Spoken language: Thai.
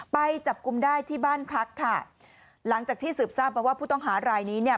ไปจับกลุ่มได้ที่บ้านพักค่ะหลังจากที่สืบทราบมาว่าผู้ต้องหารายนี้เนี่ย